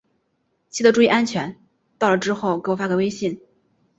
记得注意安全，到了之后给我发个微信。